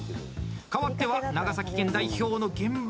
かわっては長崎県代表の現場。